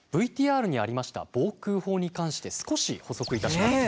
ＶＴＲにありました防空法に関して少し補足いたします。